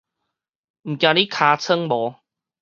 毋驚你尻川無